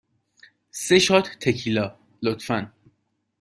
سه شات تکیلا، لطفاً.